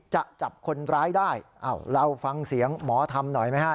จับคนร้ายได้อ้าวเราฟังเสียงหมอธรรมหน่อยไหมฮะ